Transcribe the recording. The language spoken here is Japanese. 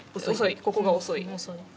ここが遅い。